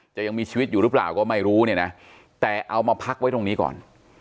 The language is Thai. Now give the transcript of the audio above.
ยังมีชีวิตอยู่หรือเปล่าก็ไม่รู้เนี่ยนะแต่เอามาพักไว้ตรงนี้ก่อน